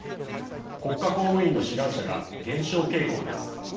国家公務員の志願者が減少傾向です。